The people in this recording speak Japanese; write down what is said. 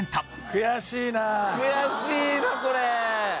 悔しいなこれ。